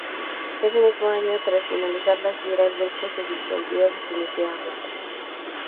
Ese mismo año, tras finalizar la gira, el grupo se disolvió definitivamente.